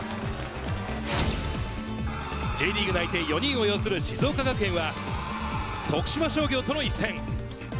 Ｊリーグ内定４人を擁する静岡学園は徳島商業との一戦。